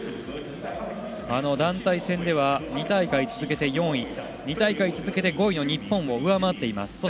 団体戦では２大会続けて４位２大会続けて５位の日本を上回っています。